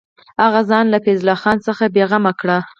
هغه ځان له فیض الله خان څخه بېغمه کړ.